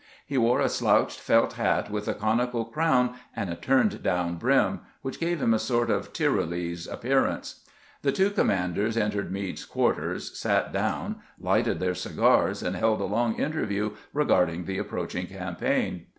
He wore a slouched felt hat with a conical crown and a turned down rim, which gave him a sort of Tyrolese appear ance. The two commanders entered Meade's quarters, AT GENERAL MEADE'S HEADQUABTEES 29 sat down, lighted their cigars, and held a long interview regarding the approaching campaign.